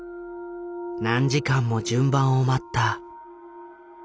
何時間も順番を待った。